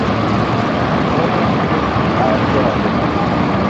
Mɔn mfǝ a dzolan.